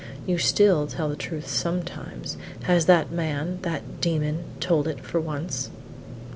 You still tell the truth sometimes; has that man that demon told it for once?"